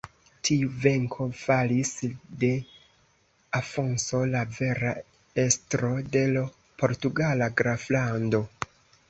Tiu venko faris de Afonso la vera estro de l' portugala graflando.